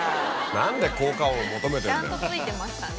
何で効果音求めてんだよ。